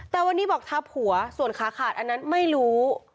แต่วันนี้บอกทับหัวส่วนขาขาดอันนั้นไม่รู้